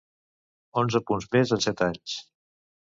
Onze punts més en set anys.